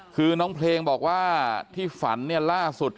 คือน้องเพลงบอกว่าที่ฝันเนี่ยล่าสุด